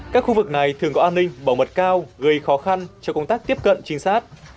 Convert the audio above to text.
các khu vực này thường có an ninh bảo mật cao gây khó khăn cho công tác tiếp cận trinh sát